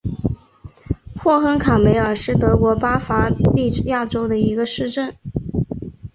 霍亨卡梅尔是德国巴伐利亚州的一个市镇。